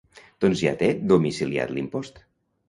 Doncs ja té domiciliat l'impost.